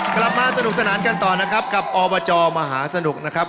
กลับมาสนุกสนานกันต่อนะครับกับอบจมหาสนุกนะครับ